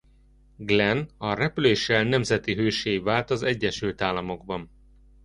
Glenn a repüléssel nemzeti hőssé vált az Egyesült Államokban.